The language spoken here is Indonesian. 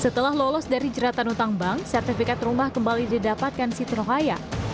setelah lolos dari jeratan utang bank sertifikat rumah kembali didapatkan siti rohaya